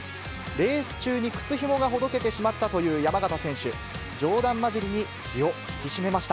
レース中に靴紐がほどけてしまったという山縣選手。